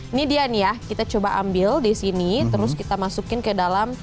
ini dia nih ya kita coba ambil di sini terus kita masukin ke dalam